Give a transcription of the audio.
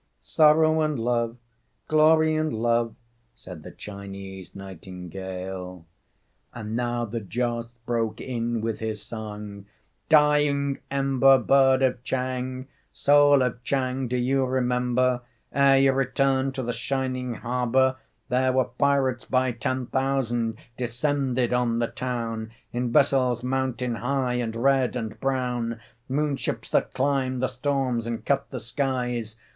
"Sorrow and love, glory and love," Said the Chinese nightingale. And now the joss broke in with his song: "Dying ember, bird of Chang, Soul of Chang, do you remember? Ere you returned to the shining harbor There were pirates by ten thousand Descended on the town In vessels mountain high and red and brown, Moon ships that climbed the storms and cut the skies.